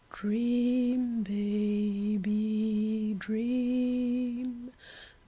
Dream, baby, dream